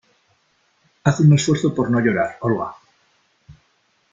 Haz un esfuerzo por no llorar, ¡Olga!